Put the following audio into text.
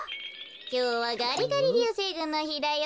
きょうはガリガリりゅうせいぐんのひだよ。